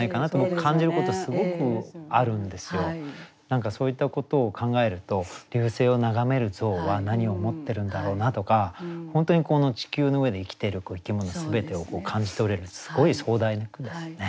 何かそういったことを考えると流星を眺める象は何を思ってるんだろうなとか本当にこの地球の上で生きてる生き物全てを感じ取れるすごい壮大な句ですね。